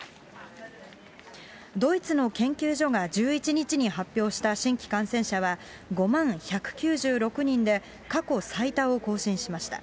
ドイツの研究所が１１日に発表した新規感染者は５万１９６人で、過去最多を更新しました。